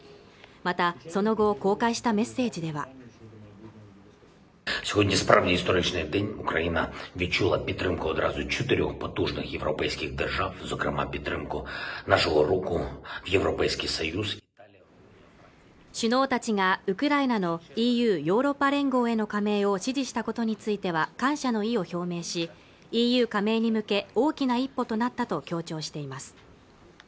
またその後公開したメッセージでは首脳たちがウクライナのＥＵ＝ヨーロッパ連合への加盟を支持したことについては感謝の意を表明しＥＵ加盟に向け大きな一歩となったと強調しています